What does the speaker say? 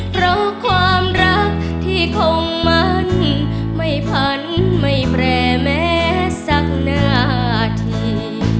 เพราะความรักที่คงมันไม่พันไม่แปรแม้สักนาที